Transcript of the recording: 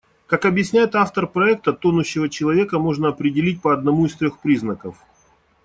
Как объясняет автор проекта, тонущего человека можно определить по одному из трёх признаков.